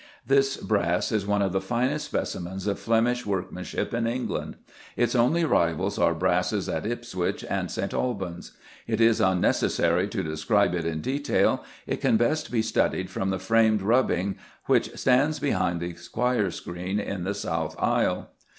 This brass is one of the finest specimens of Flemish workmanship in England. Its only rivals are brasses at Ipswich and at St. Albans. It is unnecessary to describe it in detail; it can best be studied from the framed "rubbing" which stands behind the choir screen in the South Aisle.